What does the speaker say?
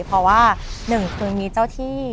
เพราะว่าหนึ่งคือมีเจ้าที่